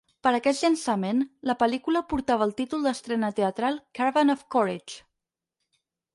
Per aquest llançament, la pel·lícula portava el títol d'estrena teatral, "Caravan of Courage".